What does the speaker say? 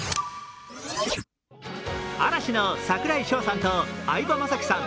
嵐の櫻井翔さんと相葉雅紀さん